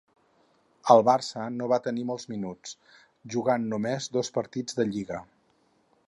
Al Barça no va tenir molts minuts, jugant només dos partits de lliga.